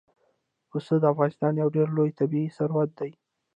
پسه د افغانستان یو ډېر لوی طبعي ثروت دی.